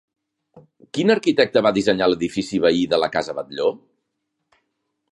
Quin arquitecte va dissenyar l'edifici veí de la casa Batlló?